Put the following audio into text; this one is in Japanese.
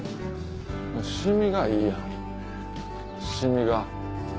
染みがいいやん染みが。